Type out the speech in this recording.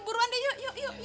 buruan yuk yuk yuk